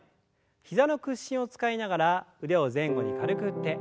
膝の屈伸を使いながら腕を前後に軽く振って。